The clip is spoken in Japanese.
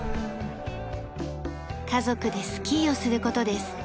家族でスキーをする事です。